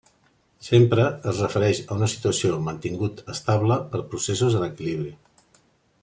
Sempre es refereix a una situació mantingut estable per processos en equilibri.